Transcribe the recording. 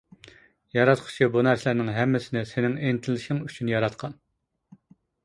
ياراتقۇچى بۇ نەرسىلەرنىڭ ھەممىسىنى سېنىڭ ئىنتىلىشىڭ ئۈچۈن ياراتقان.